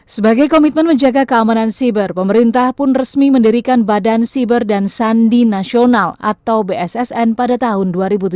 sebagai komitmen menjaga keamanan siber pemerintah pun resmi mendirikan badan siber dan sandi nasional atau bssn pada tahun dua ribu tujuh belas